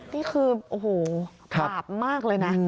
นี่คือโอ้โหปราบมากเลยนะ